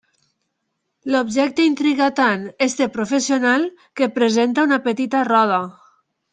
L'objecte intriga tant aquest professional que present una petita roda.